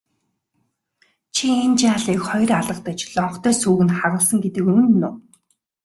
Чи энэ жаалыг хоёр алгадаж лонхтой сүүг нь хагалсан гэдэг үнэн үү?